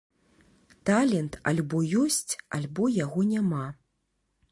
Талент альбо ёсць, альбо яго няма.